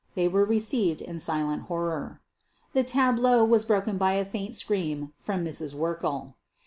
They were received in silent horror. The tableau was broken by a faint scream from Mrs. Werkle.